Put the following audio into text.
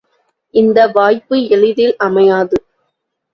இந்த வாய்ப்பு எளிதில் அமையாது.